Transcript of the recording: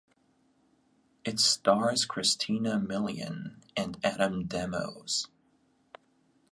It stars Christina Milian and Adam Demos.